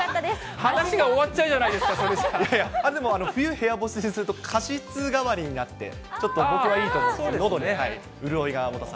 話が終わっちゃうじゃないででも、冬、部屋干しにすると加湿代わりになってちょっと僕はいいと思って、そうですね。